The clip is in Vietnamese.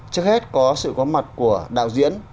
trước hết có sự có mặt của đạo diễn